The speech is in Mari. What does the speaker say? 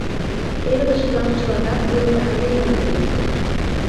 Эргыч-влак чыланат пеле айдеме лийыныт.